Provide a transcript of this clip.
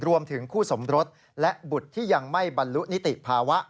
รวมถึงคู่สมรสและบุตรที่ยังไม่บรรลุนิติภาวะ